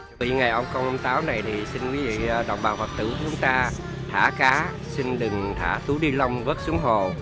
vì ngày hôm công ông táo này thì xin quý vị đồng bào hoặc tử của chúng ta thả cá xin đừng thả túi nilon vớt xuống hồ